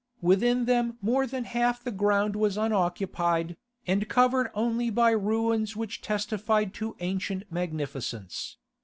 Within them more than half the ground was unoccupied, and covered only by ruins which testified to ancient magnificence.